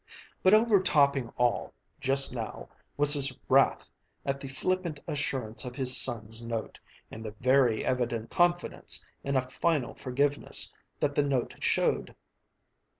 But overtopping all, just now, was his wrath at the flippant assurance of his son's note, and the very evident confidence in a final forgiveness that the note showed.